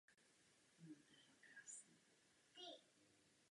Další mosty a lávky vedou přes vodní kanály.